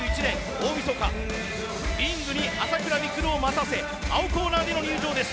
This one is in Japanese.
大みそかリングに朝倉未来を待たせ青コーナーでの入場です。